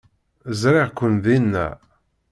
Ẓriɣ-ken dinna.